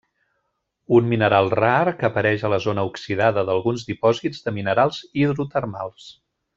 Un mineral rar que apareix a la zona oxidada d'alguns dipòsits de minerals hidrotermals.